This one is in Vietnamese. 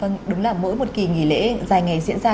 vâng đúng là mỗi một kỳ nghỉ lễ dài ngày diễn ra